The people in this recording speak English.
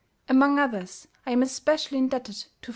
Among others, I am especially indebted to Fr.